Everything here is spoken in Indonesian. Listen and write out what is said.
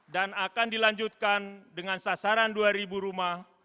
dan akan dilanjutkan dengan sasaran dua ribu rumah